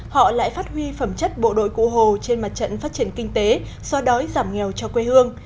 họ lại phát huy phẩm chất bộ đội cụ hồ trên mặt trận phát triển kinh tế so đói giảm nghèo cho quê hương